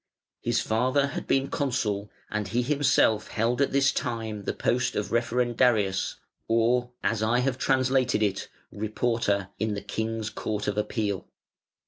His father had been consul, and he himself held at this time the post of Referendarius (or, as I have translated it, Reporter) in the King's Court of Appeal.